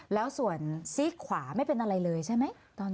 แล้วส่วนซีกขวาไม่เป็นอะไรเลยใช่ไหม